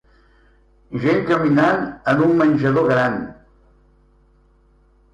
Gent caminant en un menjador gran